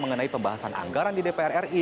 mengenai pembahasan anggaran di dpr ri